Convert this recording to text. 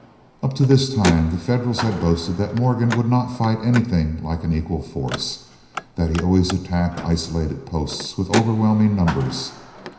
Up to this time the Federals had boasted that Morgan would not fight anything like an equal force; that he always attacked isolated posts with overwhelming numbers.